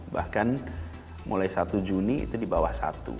bahkan mulai satu juni itu di bawah satu